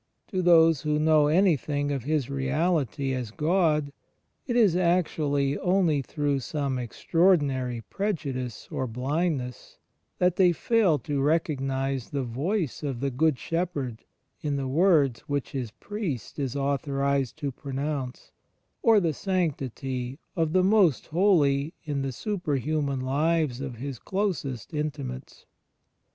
To those who know anything of His Reality as God, it is actually only through some extraordinary prejudice or blindness that they fail to recognize the voice of the Good Shepherd in the words which His priest is authorized to pronoimce, or the Sanctity of the Most Holy in the superhuman lives of His closest intimates.